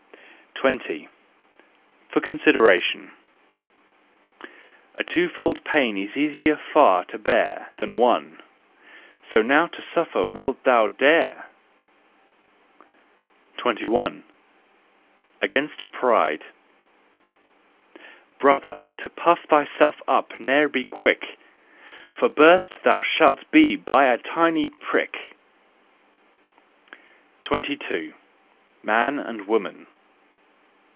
20. For Consideration . A twofold pain is easier far to bear Than one: so now to suffer wilt thou dare ? 21. * Against Pride . Brother, to puff thyself up ne'er be quick: For burst thou shalt be by a tiny prick! 22. Man and Woman.